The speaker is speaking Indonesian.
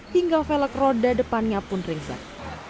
hingga velg roda depannya pun ringsan